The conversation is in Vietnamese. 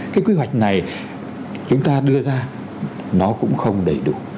cái quy hoạch này chúng ta đưa ra nó cũng không đầy đủ